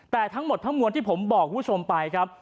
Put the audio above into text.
แต่ทั้งหมดทั้งมวลที่ผมบอกคุณผู้ชมไปครับ